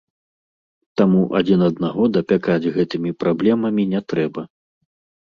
Таму адзін аднаго дапякаць гэтымі праблемамі не трэба.